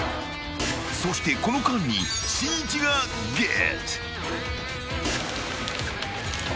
［そしてこの間にしんいちがゲット］